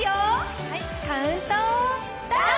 カウントダウン！